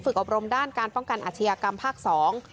อบรมด้านการป้องกันอาชญากรรมภาคสอง